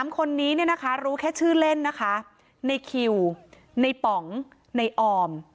๓คนนี้รู้แค่ชื่อเล่นนะคะในคิวในปำในออม